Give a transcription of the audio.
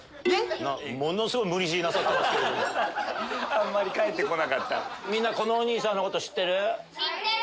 あんまり返ってこなかった。